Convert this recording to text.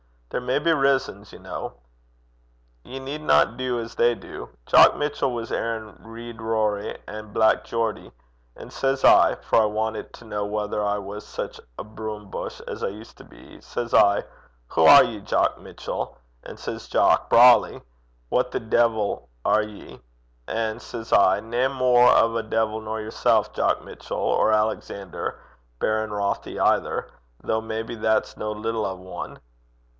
There may be rizzons, ye ken. Ye needna du as they du. Jock Mitchell was airin' Reid Rorie an' Black Geordie. An' says I for I wantit to ken whether I was sic a breme buss (broom bush) as I used to be says I, "Hoo are ye, Jock Mitchell?" An' says Jock, "Brawly. Wha the deevil are ye?" An' says I, "Nae mair o' a deevil nor yersel', Jock Mitchell, or Alexander, Baron Rothie, either though maybe that's no little o' ane."